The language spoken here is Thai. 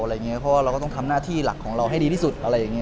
เพราะว่าเราก็ต้องทำหน้าที่หลักของเราให้ดีที่สุด